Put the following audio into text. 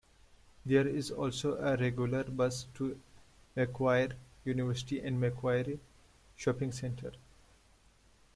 There is also a regular bus to Macquarie University and Macquarie shopping centre.